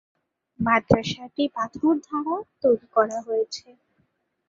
মাদ্রাসাটি পাথর দ্বারা তৈরি করা হয়েছে।